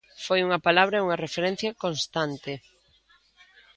Foi unha palabra e unha referencia constante.